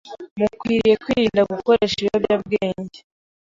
Mukwiriye kwirinda gukoresha ibiyobyabwenge,